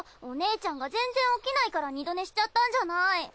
お姉ちゃんが全然起きないから二度寝しちゃったんじゃない！